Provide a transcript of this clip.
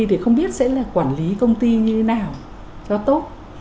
thì không biết sẽ là quản lý công ty như thế nào cho tốt